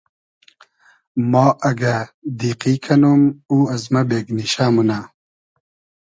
ما اگۂ دیقی کئنوم او از مۂ بېگنیشۂ مونۂ